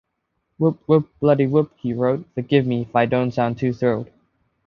"Whoop whoop bloody whoop", he wrote, "Forgive me if I don't sound too thrilled.